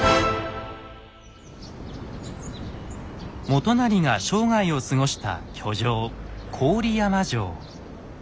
元就が生涯を過ごした居城郡山城。